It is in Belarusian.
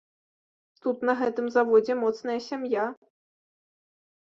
Тут на гэтым заводзе моцная сям'я.